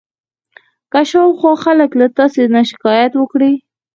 که شاوخوا خلک له تاسې نه شکایت وکړي.